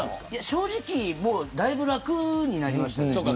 正直、だいぶ楽になりました。